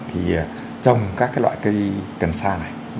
thì trồng các cái loại cây cần sa này